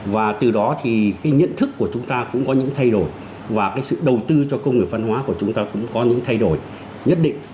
và từ đó thì cái nhận thức của chúng ta cũng có những thay đổi và cái sự đầu tư cho công nghiệp văn hóa của chúng ta cũng có những thay đổi nhất định